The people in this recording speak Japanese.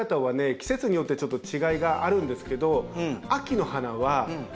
季節によってちょっと違いがあるんですけど。